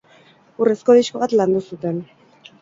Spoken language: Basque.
Urrezko disko bat landu zuten.